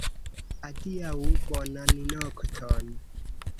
Adiaŭ! Bonan nokton!